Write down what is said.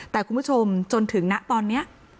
แต่คุณผู้ชมจนถึงนะตอนนี้